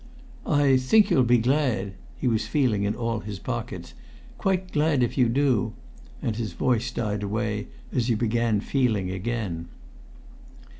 "I think you'll be glad" he was feeling in all his pockets "quite glad if you do " and his voice died away as he began feeling again.